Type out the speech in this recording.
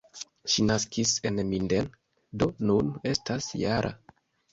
Ŝi naskiĝis en Minden, do nun estas -jara.